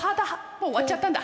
もう終わっちゃったんだ。